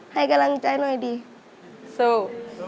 ให้กำลังใจหน่อยดีสู้